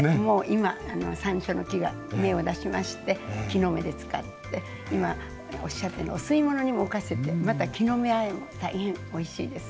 今山椒の木が芽を出しまして木の芽で使って今おっしゃったようにお吸い物にも浮かせてまた木の芽あえも大変おいしいですね。